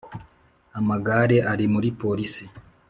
amagare ari muri police